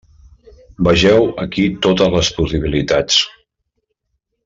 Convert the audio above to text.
Vegeu aquí totes les possibilitats.